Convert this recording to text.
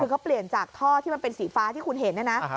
คือเขาเปลี่ยนจากท่อที่มันเป็นสีฟ้าที่คุณเห็นเนี่ยนะ